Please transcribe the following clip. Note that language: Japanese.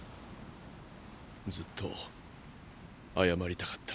ずっと謝りたかった。